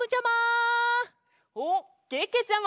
おっけけちゃま！